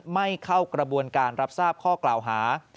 ไม่เข้ากระบวนการรับทราบข้อกล่าวหา